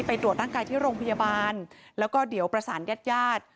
ตรวจร่างกายที่โรงพยาบาลแล้วก็เดี๋ยวประสานญาติญาติ